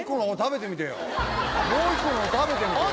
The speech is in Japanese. もう一個のほう食べてみてよ